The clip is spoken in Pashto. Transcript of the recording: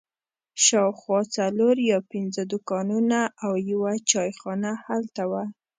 شاوخوا څلور یا پنځه دوکانونه او یوه چای خانه هلته وه.